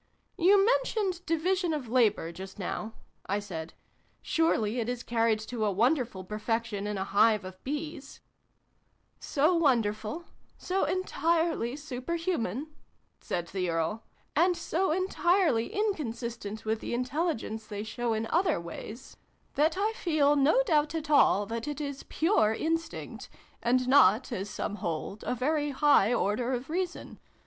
':" You mentioned ' division of labour,' just now," I said. " Surely it is carried to a wonderful perfection in a hive of bees ?"" So wonderful so entirely super human said the Earl, " and so entirely incon sistent with the intelligence they show in other ways that I feel no doubt at all that it is 298 SYLVIE AND BRUNO CONCLUDED. pure Instinct, and not, as some hold, a very high order of Reason.